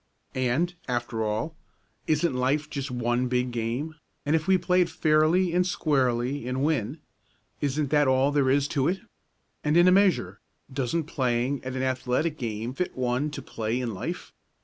And, after all, isn't life just one big game; and if we play it fairly and squarely and win isn't that all there is to it? And, in a measure, doesn't playing at an athletic game fit one to play in life?